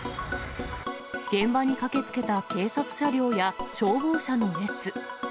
現場に駆けつけた警察車両や消防車の列。